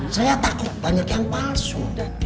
saya takut banyak yang palsu